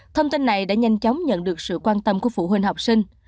thông tin này đã nhanh chóng nhận được sự quan tâm của phụ huynh học sinh